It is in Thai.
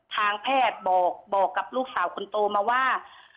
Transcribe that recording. ทางแพทย์บอกกับลูกสาวคนโตมาว่า